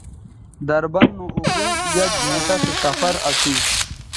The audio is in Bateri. دربند نو اوگئ یک گھنٹہ سو سفر اسو